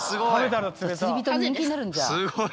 すごい。